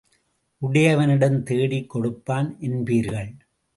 உடையவனிடம் தேடிக் கொடுப்பான் என்பீர்கள்.